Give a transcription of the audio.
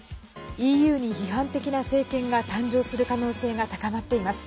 ＥＵに批判的な政権が誕生する可能性が高まっています。